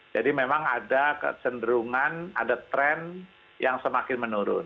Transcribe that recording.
jadi memang ada kecenderungan ada tren yang semakin menurun